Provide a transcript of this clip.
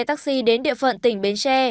taxi đến địa phận tỉnh bến tre